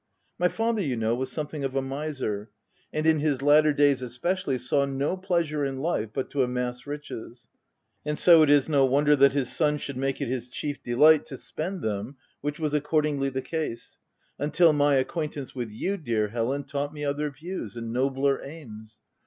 My father, you know, was something of a miser, and in his latter days especially, saw no pleasure in life but to amass riches ; and so it is no wonder that his son should make it his b 2 4 THE TENANT chief delight to spend them, which was accord ingly the case, until my acquaintance with you, dear Helen, taught me other views and nobler aims.